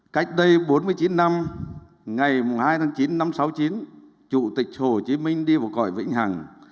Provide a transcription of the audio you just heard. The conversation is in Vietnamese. cách đây bốn mươi chín năm ngày hai tháng chín năm sáu mươi chín chủ tịch hồ chí minh đi vào cõi vĩnh hằng